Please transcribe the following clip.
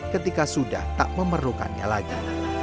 ketika sudah tak memerlukannya lagi